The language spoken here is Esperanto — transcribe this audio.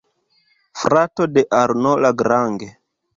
Frato de Arno Lagrange.